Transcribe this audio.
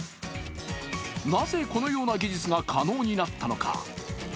なぜこのような技術が可能になったのか。